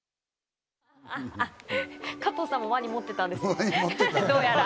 加藤さんもワニ持ってたんですね。